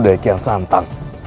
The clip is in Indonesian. dari kian santang